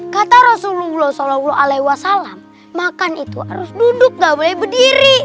kata rasulullah saw makan itu harus duduk gak boleh berdiri